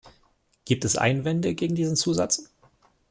Gibt es Einwände gegen diesen Zusatz?